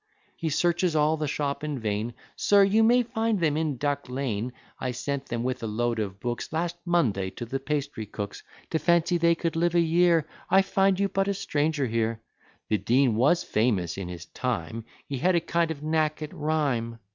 He searches all the shop in vain. "Sir, you may find them in Duck lane; I sent them with a load of books, Last Monday to the pastry cook's. To fancy they could live a year! I find you're but a stranger here. The Dean was famous in his time, And had a kind of knack at rhyme.